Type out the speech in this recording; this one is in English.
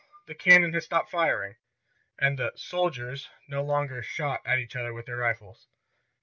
The cannon had stopped firing, and the "soldiers" no longer "shot" at each other with their rifles.